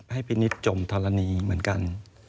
ให้พี่นิดจมธรณีเหมือนกัน